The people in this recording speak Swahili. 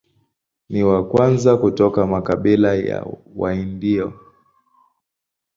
Ni wa kwanza kutoka makabila ya Waindio.